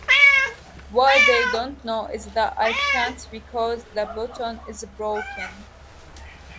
What they don't know is that I can't because the button is broken.